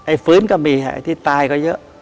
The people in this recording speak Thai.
ฟื้นก็มีไอ้ที่ตายก็เยอะ